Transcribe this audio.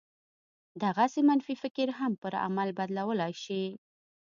دغسې منفي فکر هم پر عمل بدلولای شي